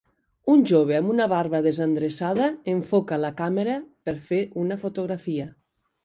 Un jove amb una barba desendreçada enfoca la càmera per fer una fotografia.